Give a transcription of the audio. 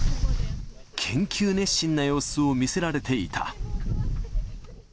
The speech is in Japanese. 研究熱心な様子を見せられていた。